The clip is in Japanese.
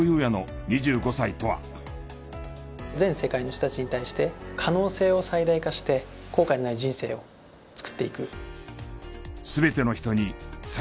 全世界の人たちに対して可能性を最大化して後悔のない人生を作っていく。